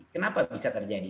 kenapa bisa terjadi